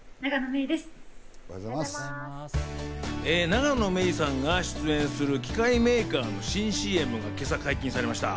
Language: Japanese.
永野芽郁さんが出演する機械メーカーの新ＣＭが今朝解禁されました。